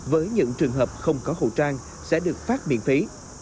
với những trường hợp không có khẩu trang sẽ được phát miễn phí